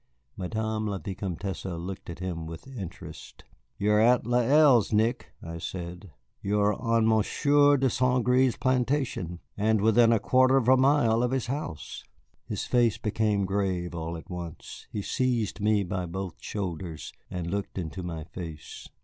Madame la Vicomtesse looked at him with interest. "You are at Les Îles, Nick," I said; "you are on Monsieur de St. Gré's plantation, and within a quarter of a mile of his house." His face became grave all at once. He seized me by both shoulders, and looked into my face.